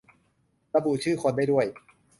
ระบุชื่อคนได้ด้วย